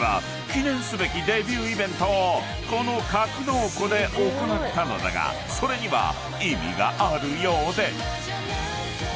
記念すべきデビューイベントをこの格納庫で行ったのだがそれには意味があるようで］